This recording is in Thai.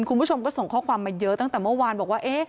คุณผู้ชมก็ส่งข้อความมาเยอะตั้งแต่เมื่อวานบอกว่า